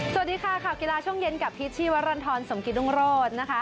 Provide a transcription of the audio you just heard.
สวัสดีครับกลาร์กีฬาช่วงเย็นกับพีชที่วรรณทรสมกีรุงโรด